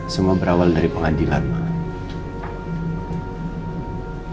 semua berawal dari pengadilan mas